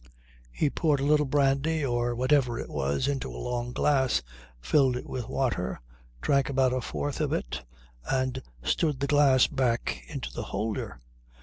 He poured a little brandy or whatever it was into a long glass, filled it with water, drank about a fourth of it and stood the glass back into the holder.